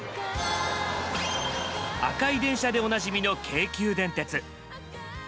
赤い電車でおなじみの京急電鉄。